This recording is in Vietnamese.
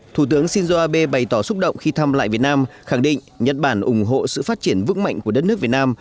thủ tướng shinzo abe bày tỏ xúc động khi thăm lại việt nam khẳng định nhật bản ủng hộ sự phát triển vững mạnh của đất nước việt nam